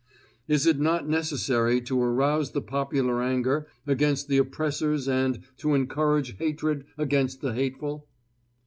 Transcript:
Is it not necessary to arouse the popular anger against the oppressors and to encourage hatred against the hateful?